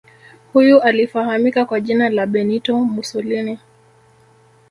Huyu alifahamika kwa jina la Benito Musolini